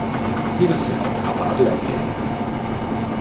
呢個時候打靶都有嘅？